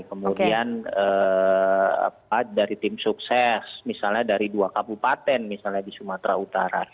kemudian dari tim sukses misalnya dari dua kabupaten misalnya di sumatera utara